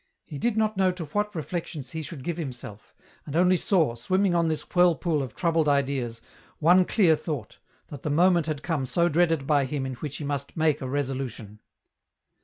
He did not know to what reflections he should give himself, and only saw, swimming on this whirlpool of troubled ideas, one clear thought, that the moment had come so dreaded by him in which he must make a resolution.